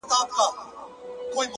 پرتكه سپينه پاڼه وڅڅېدې ـ